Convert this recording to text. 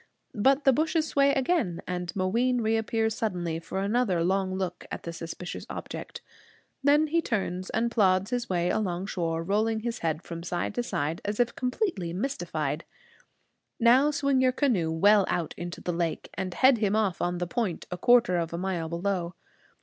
But the bushes sway again, and Mooween reappears suddenly for another long look at the suspicious object. Then he turns and plods his way along shore, rolling his head from side to side as if completely mystified. Now swing your canoe well out into the lake, and head him off on the point, a quarter of a mile below.